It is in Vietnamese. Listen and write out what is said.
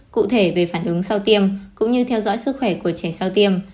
cụ thể về phản ứng sau tiêm cũng như theo dõi sức khỏe của trẻ sau tiêm